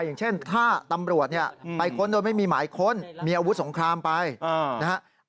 อย่างเช่นถ้าตำรวจเนี่ยไปค้นโดยไม่มีหมายค้นมีอาวุธสงครามไปนะครับ